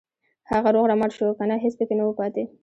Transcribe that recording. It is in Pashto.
هغه روغ رمټ شو کنه هېڅ پکې نه وو پاتې.